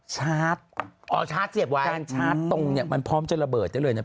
ชาร์จอ๋อชาร์จเสียบไว้การชาร์จตรงเนี่ยมันพร้อมจะระเบิดได้เลยนะ